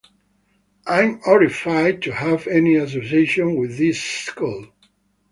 I'm horrified to have any association with this school.